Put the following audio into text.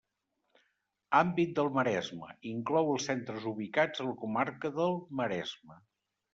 Àmbit del Maresme: inclou els centres ubicats a la comarca del Maresme.